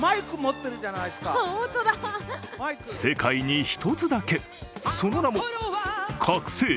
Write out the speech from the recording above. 世界に１つだけ、その名も覚醒